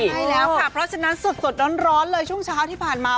ใช่แล้วค่ะเพราะฉะนั้นสดร้อนเลยช่วงเช้าที่ผ่านมา